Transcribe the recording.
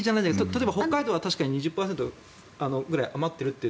例えば、北海道は確かに２０％ぐらい余っているって。